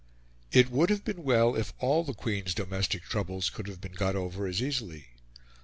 It would have been well if all the Queen's domestic troubles could have been got over as easily.